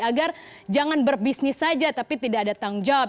agar jangan berbisnis saja tapi tidak datang job